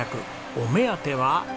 お目当ては。